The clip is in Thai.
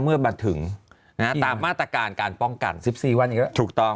เมื่อมาถึงนะฮะตามมาตรการการป้องกันสิบสี่วันอีกแล้วถูกต้อง